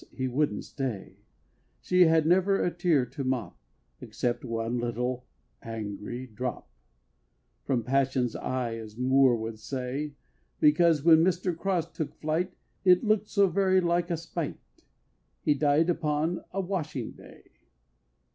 he wouldn't stay She never had a tear to mop, Except one little angry drop From Passion's eye, as Moore would say, Because, when Mister Cross took flight, It looked so very like a spite He died upon a washing day!